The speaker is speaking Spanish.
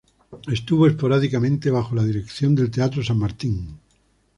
Estuvo esporádicamente bajo la dirección del teatro San Martín.